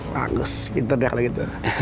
bagus pinter deh kali gitu